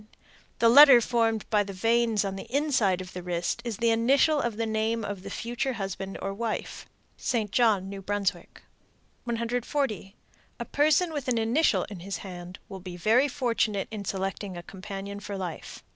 The letter formed by the veins on the inside of the wrist is the initial of the name of the future husband or wife. St. John, N.B. 140. A person with an initial in his hand will be very fortunate in selecting a companion for life.